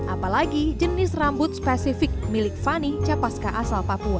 apalagi jenis rambut spesifik milik fanny cepaska asal papua